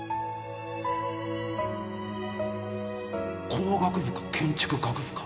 工学部か建築学部か